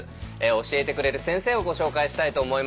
教えてくれる先生をご紹介したいと思います。